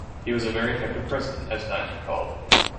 He was a very effective president, as Dines recalled.